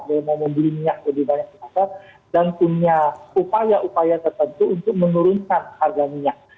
dia mau membeli minyak lebih banyak di pasar dan punya upaya upaya tertentu untuk menurunkan harga minyak